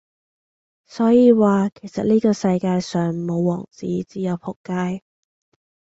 所以話,其實呢個世界上沒王子只有仆街